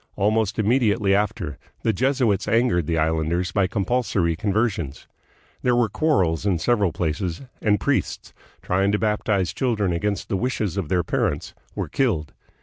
Almost immediately after, the Jesuits angered the islanders by compulsory conversions. There were quarrels in several places, and priests, trying to baptize children against the wishes of their parents, were killed.